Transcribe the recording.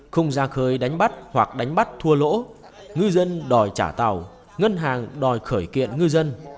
không ra khơi đánh bắt hoặc đánh bắt thua lỗ ngư dân đòi trả tàu ngân hàng đòi khởi kiện ngư dân